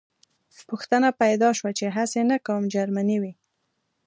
پوښتنه پیدا شوه چې هسې نه کوم جرمنی وي